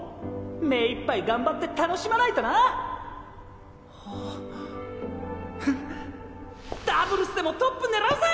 めいっぱい頑張って楽しまなダブルスでもトップ狙うぜ！